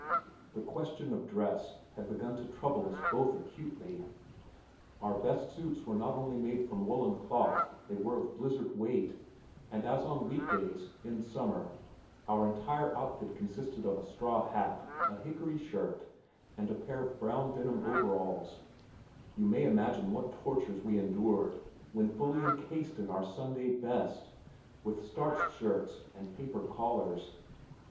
The question of dress had begun to trouble us both acutely. Our best suits were not only made from woolen cloth, they were of blizzard weight, and as on week days (in summer) our entire outfit consisted of a straw hat, a hickory shirt and a pair of brown denim overalls you may imagine what tortures we endured when fully encased in our "Sunday best," with starched shirts and paper collars.